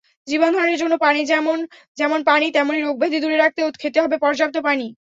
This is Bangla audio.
জীবনধারণের জন্য যেমন পানি, তেমনি রোগব্যাধি দূরে রাখতেও খেতে হবে পর্যাপ্ত পানি।